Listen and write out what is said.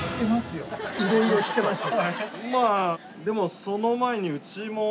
いろいろ知ってますよ。